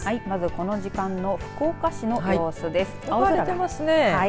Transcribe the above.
まずこの時間の福岡市の様子です。